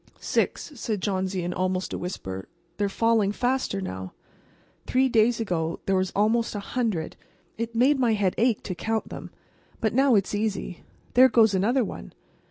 "Six," said Johnsy, in almost a whisper. "They're falling faster now. Three days ago there were almost a hundred. It made my head ache to count them. But now it's easy. There goes another one.